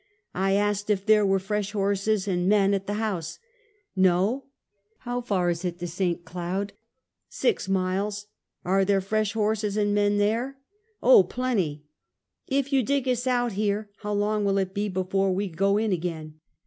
I asked if there were fresh horses and men at the house. " I^^0." " How far is it to St. Cloud?" " Six miles." " Are there fresh horses and men there?" " Oh, plenty." " If you dig us out here, how long will it be before we go in again?"